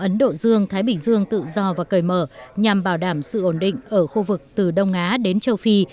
ấn độ dương thái bình dương tự do và cởi mở nhằm bảo đảm sự ổn định ở khu vực từ đông á đến châu phi